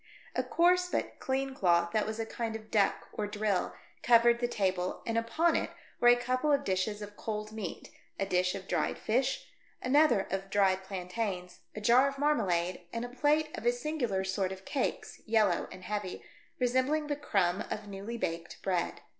A coarse, but clean cloth, that was a kind I 1 8 THE DEATH SHIP. of duck or drill, covered the table, and upon it were a couple of dishes of cold meat, a dish of dried fish, another of dried plantains, a jar of marmalade, and a plate of a singular sort of cakes — yellow and heavy — resembling the crumb of newly baked bread.